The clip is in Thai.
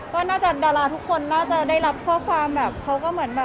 ก็น่าจะดาราทุกคนน่าจะได้รับข้อความแบบเขาก็เหมือนแบบ